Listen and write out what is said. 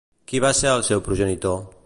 Qui va ser el seu progenitor?